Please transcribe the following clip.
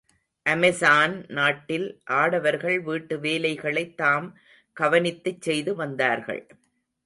அமெசான் நாட்டில் ஆடவர்கள் வீட்டு வேலைகளைத்தாம் கவனித்துச் செய்து வந்தார்கள்.